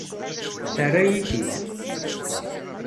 Terra-yi-t-id.